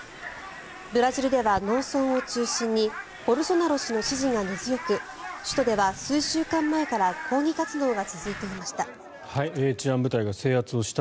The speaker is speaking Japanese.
ブラジルでは農村を中心にボルソナロ氏の支持が根強く首都では数週間前から抗議活動が続いていました。